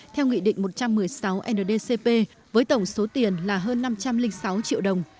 theo nghị định một trăm một mươi sáu ndcp với tổng số tiền là hơn năm trăm linh sáu triệu đồng